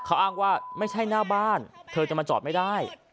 เขาอ้างว่าไม่ใช่หน้าบ้านเธอจะมาจอดไม่ได้